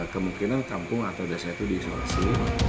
kemungkinan kampung atau dasar itu di isolasi